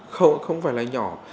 không phải là nhỏ